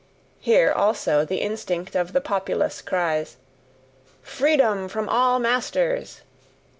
Here also the instinct of the populace cries, "Freedom from all masters!"